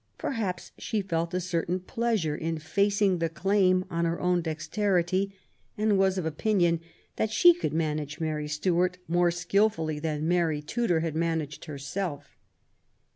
Perhaps she felt a certain pleasure in facing the claim on her own dexterity, and was of opinion that she could manage Mary Stuart more skilfully than Mary Tudor had managed herself.